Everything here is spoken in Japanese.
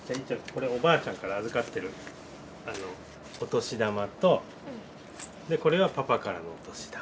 これおばあちゃんから預かってるお年玉とこれはパパからのお年玉。